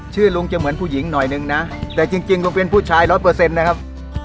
ชื่อลุงจะเหมือนผู้หญิงหน่อยนึงนะแต่จริงลุงเป็นผู้ชาย๑๐๐นะครับ